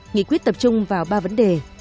nghị quyết tập trung vào ba vấn đề